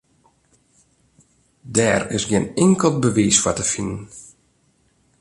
Dêr is gjin inkeld bewiis foar te finen.